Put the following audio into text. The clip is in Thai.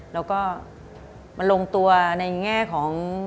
แล้วก็มันลงตัวในแง่ของ